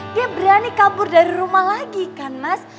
dia berani kabur dari rumah lagi kan mas